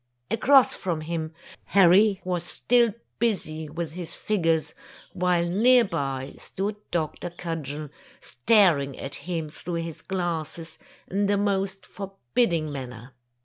Across from him, Harry was still busy with his figures, while nearby stood Dr. Cudgel, staring at him through his glasses, in the most forbidding manner.